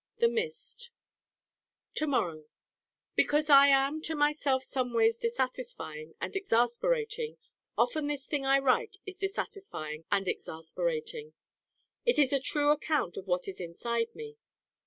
The mist To morrow Because I am to myself someways dissatisfying and exasperating often this thing I write is dissatisfying and exasperating. It is a true account of what is inside me.